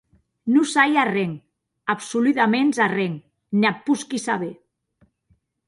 Non sai arren, absoludaments arren, ne ac posqui saber.